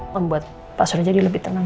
membuat pak surya jadi lebih tenang